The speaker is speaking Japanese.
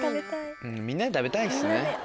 みんなで食べたいですね。